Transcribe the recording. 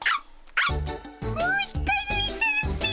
もう一回見せるっピ。